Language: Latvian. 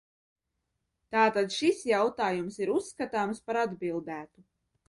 Tātad šis jautājums ir uzskatāms par atbildētu.